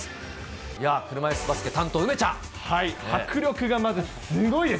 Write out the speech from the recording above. いやぁ、車いすバスケ、迫力がまずすごいです。